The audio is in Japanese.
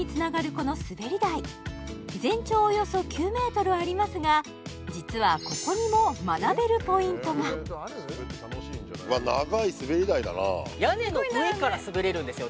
この滑り台全長およそ９ｍありますが実はここにも学べるポイントがうわっ長い滑り台だな屋根の上から滑れるんですよ